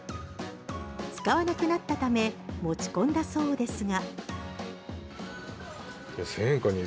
使わなくなったため持ち込んだそうですが。